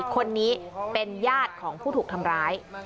คนนี้เป็นญาติของผู้ถูกทำร้าย